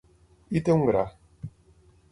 Hi té un gra.